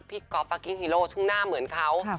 ก๊อฟปากกิ้นฮีโร่ซึ่งหน้าเหมือนเขา